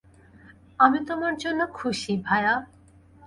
আমি তোমার জন্য খুশি, ভায়া।